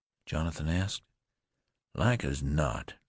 Jonathan asked. "Like as not.